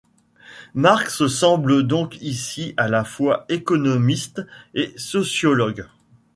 Marx semble donc ici à la fois économiste et sociologue.